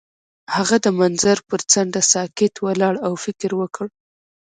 هغه د منظر پر څنډه ساکت ولاړ او فکر وکړ.